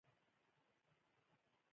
رومي برېټانیا له مالي خدماتو سره مل وه.